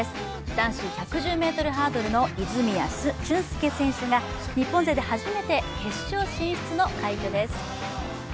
男子１１０ｍハードルの泉谷駿介選手が日本勢で初めて決勝進出の快挙です。